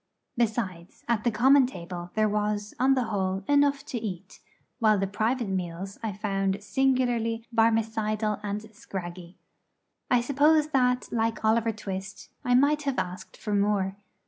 Besides, at the common table there was, on the whole, enough to eat; while the private meals I found singularly Barmecidal and scraggy. I suppose that, like Oliver Twist, I might have asked for more.